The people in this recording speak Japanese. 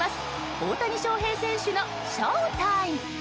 大谷翔平選手のショータイム！